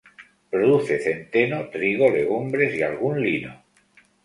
Produce centeno, trigo, legumbres y algún lino.